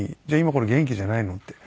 今これ元気じゃないの？って。